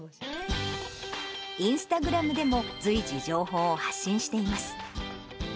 インスタグラムでも、随時、情報を発信しています。